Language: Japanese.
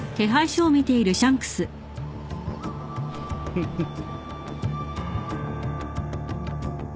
フフフ。